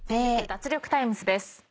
脱力タイムズ』です。